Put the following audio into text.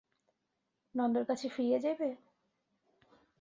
নন্দর কাছে ফিরিয়া যাইবে?